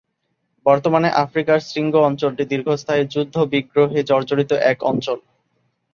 বর্তমানে আফ্রিকার শৃঙ্গ অঞ্চলটি দীর্ঘস্থায়ী যুদ্ধ-বিগ্রহে জর্জরিত এক অঞ্চল।